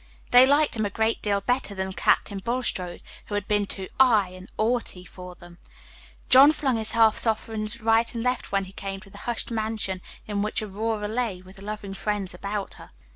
They liked him a great deal better than Captain Bulstrode, who had been too "'igh" and "'aughty" for them. John flung his half sovereigns right and left when he came to the hushed mansion in which Aurora lay, with loving friends about her.